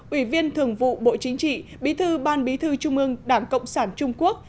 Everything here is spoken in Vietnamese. ủy viên thường vụ bộ chính trị bí thư ban bí thư trung ương đảng cộng sản trung quốc